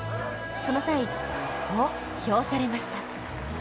その際、こう評されました。